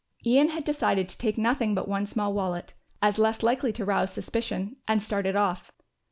Ian had decided to take nothing but one small wallet, as less likely to rouse suspicion, and started off.